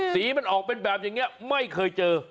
สีมันออกเป็นแบบนี้ไม่เคยเจอ